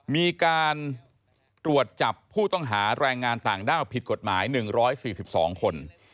มีการตรวจจับผู้ต้องหาแรงงานต่างด้าวผิดกฎหมาย๑๔๒คน